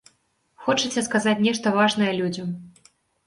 Хочаце сказаць нешта важнае людзям?